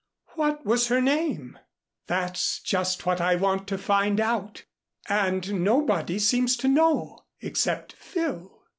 What was her name?" "That's just what I want to find out. And nobody seems to know, except Phil."